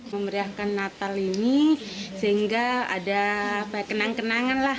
memeriahkan natal ini sehingga ada kenangan kenangan